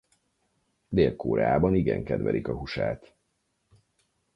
Dél-Koreában igen kedvelik a húsát.